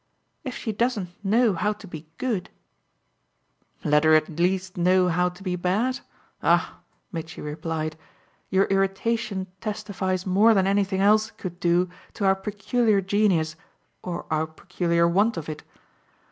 "If she doesn't know how to be good " "Let her at least know how to be bad? Ah," Mitchy replied, "your irritation testifies more than anything else could do to our peculiar genius or our peculiar want of it.